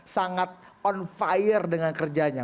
sangat on fire dengan kerjanya